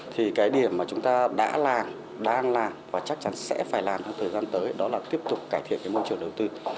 thì cái điểm mà chúng ta đã làm đang làm và chắc chắn sẽ phải làm trong thời gian tới đó là tiếp tục cải thiện cái môi trường đầu tư